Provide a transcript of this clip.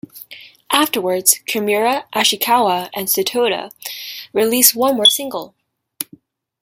Afterwards, Kimura, Ishikawa and Satoda released one more single.